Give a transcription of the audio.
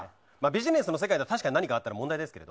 ビジネスの世界では何かあったら問題ですから。